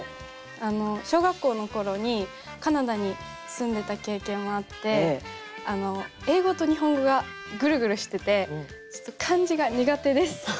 小学校の頃にカナダに住んでた経験もあって英語と日本語がグルグルしててちょっと漢字が苦手です。